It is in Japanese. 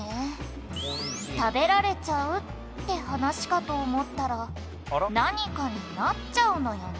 「食べられちゃうって話かと思ったら何かになっちゃうのよね」